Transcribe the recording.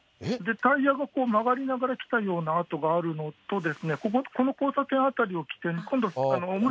タイヤが曲がりながら来たような跡があるのと、ここの交差点を辺りを起点に、今度。